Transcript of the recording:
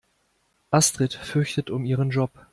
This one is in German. Astrid fürchtet um ihren Job.